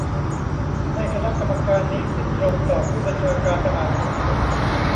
ให้คณะกรรมการนี้ขึ้นตรงต่อผู้บัญชาการทหารสูงสุด